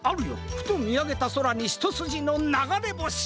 ふとみあげたそらにひとすじのながれぼし！